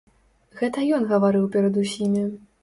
Гэта ён гаварыў перад усімі.